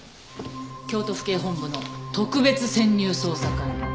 京都府警本部の特別潜入捜査官よ。